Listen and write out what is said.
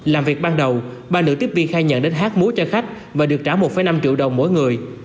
làm việc ban đầu ba nữ tiếp viên khai nhận đến hát múa cho khách và được trả một năm triệu đồng mỗi người